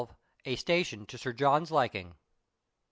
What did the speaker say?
A STATION TO SIR JOHN'S LIKING.